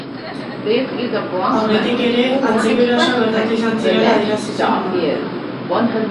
Aurretik ere antzeko erasoak gertatu izan zirela adierazi zuen emakumeak.